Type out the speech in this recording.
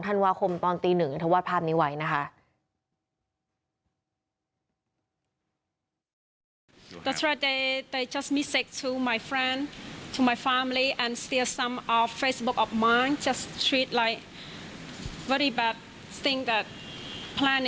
๒ธันวาคมตอนตี๑ถ้าวาดภาพนี้ไว้นะคะ